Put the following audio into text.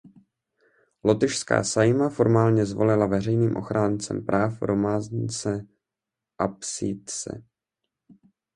Lotyšská Saeima formálně zvolila veřejným ochráncem práv Romānse Apsītise.